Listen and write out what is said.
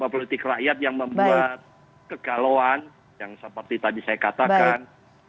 politik rakyat yang membuat kegalauan yang seperti tadi saya katakan